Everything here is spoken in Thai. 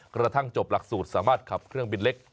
กระทั่งจบหลักสูตรสามารถขับเครื่องบินเล็ก